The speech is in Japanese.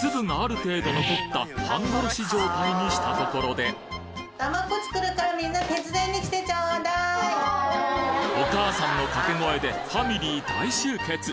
つぶがある程度残った状態にしたところでお母さんの掛け声でファミリー大集結！